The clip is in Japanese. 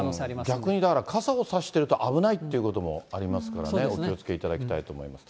逆にだから傘を差してると危ないということもありますからね、お気をつけいただきたいと思います。